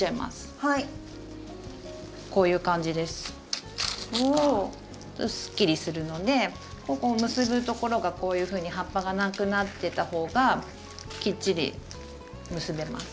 すっきりするので結ぶところがこういうふうに葉っぱが無くなってた方がきっちり結べます。